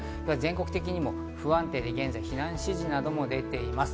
全国的にも不安定な天気で避難指示なども出ています。